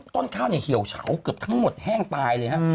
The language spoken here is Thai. ต้นข้าวเหี่ยวเฉาคือทั้งหมดแห้งตายเลยครับ